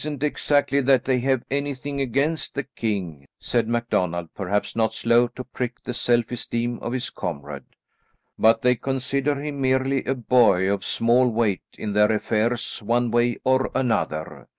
"] "It isn't exactly that they have anything against the king," said MacDonald, perhaps not slow to prick the self esteem of his comrade, "but they consider him merely a boy, of small weight in their affairs one way or another.